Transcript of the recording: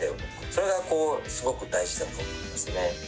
それがすごく大事だと思いますね。